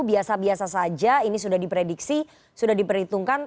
biasa biasa saja ini sudah diprediksi sudah diperhitungkan